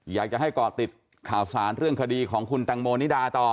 อยากจะให้เกาะติดข่าวสารเรื่องคดีของคุณตังโมนิดาต่อ